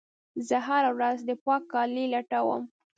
زه هره ورځ د پاک کالي لټوم.